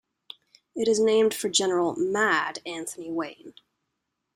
It is named for General "Mad" Anthony Wayne.